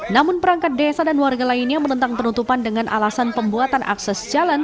namun perangkat desa dan warga lainnya menentang penutupan dengan alasan pembuatan akses jalan